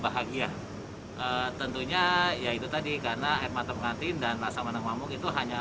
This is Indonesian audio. bahagia tentunya yaitu tadi karena air mata pengantin dan rasa menengah mamuk itu hanya